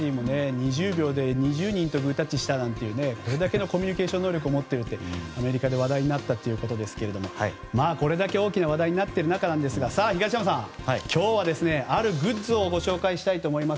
２０秒で２０人とグータッチしたなんてそれだけのコミュニケーション能力を持っているってアメリカで話題になったということですがこれだけ大きな話題になっている中東山さん、今日はあるグッズをご紹介したいと思います。